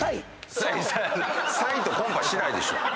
サイとコンパしないでしょ